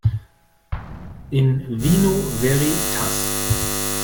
In vino veritas.